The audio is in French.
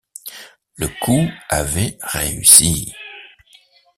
Le coup avait réussi.